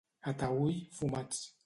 A Taüll, fumats.